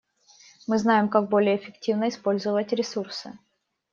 Мы знаем, как более эффективно использовать ресурсы.